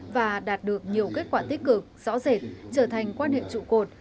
và đạt được nhiều kết quả tích cực rõ rệt trở thành quan hệ trụ cột